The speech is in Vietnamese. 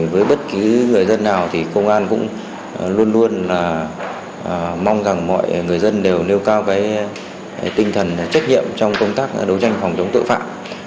với bất cứ người dân nào thì công an cũng luôn luôn mong rằng mọi người dân đều nêu cao cái tinh thần trách nhiệm trong công tác đấu tranh phòng chống tội phạm